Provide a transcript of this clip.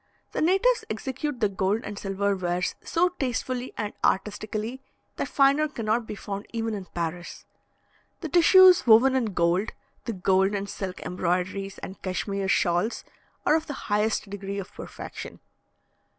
The natives execute the gold and silver wares so tastefully and artistically, that finer cannot be found even in Paris. The tissues woven in gold, the gold and silk embroideries and Cashmere shawls, are of the highest degree of perfection.